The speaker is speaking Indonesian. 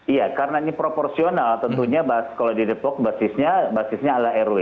iya karena ini proporsional tentunya kalau di depok basisnya adalah rw